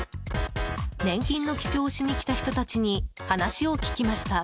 年金の記帳をしに来た人たちに話を聞きました。